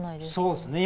そうですね。